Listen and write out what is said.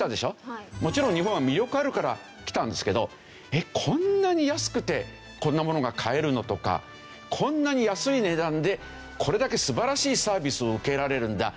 もちろん日本は魅力あるから来たんですけど「えっこんなに安くてこんな物が買えるの？」とか「こんなに安い値段でこれだけ素晴らしいサービスを受けられるんだ」。